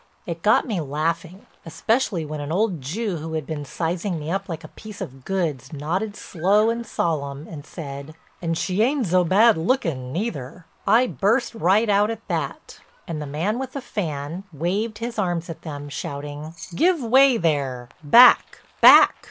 It got me laughing, especially when an old Jew who had been sizing me up like a piece of goods nodded slow and solemn and said: "And she ain'd zo bad lookin' neither." I burst right out at that and the man with the fan waved his arms at them, shouting: "Give way there—back—back!